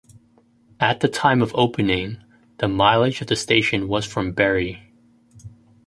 At the time of opening, the mileage of the station was from Bury.